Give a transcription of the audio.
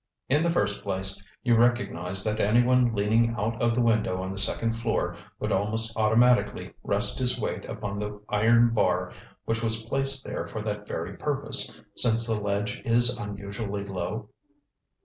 In the first place you recognize that anyone leaning out of the window on the second floor would almost automatically rest his weight upon the iron bar which was placed there for that very purpose, since the ledge is unusually low?